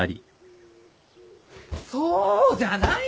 そうじゃない！